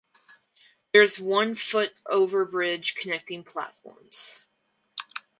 There is one foot overbridge connecting platforms.